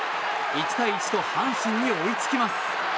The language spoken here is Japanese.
１対１と阪神に追いつきます。